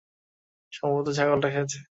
সম্ভবত ছাগলটা খেয়েছে।